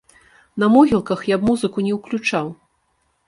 На могілках я б музыку не ўключаў.